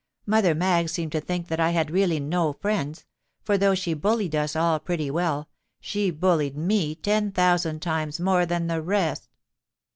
Mother Maggs seemed to think that I had really no friends—for, though she bullied us all pretty well, she bullied me ten thousand times more than the rest.